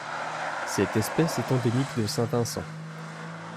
Cette espèce est endémique de Saint-Vincent.